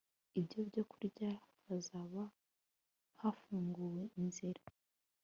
ibyo byokurya hazaba hafunguwe inzira